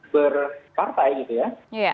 berpartai gitu ya